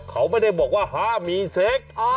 เขาไม่ได้บอกว่าห้ามมีเซ็ก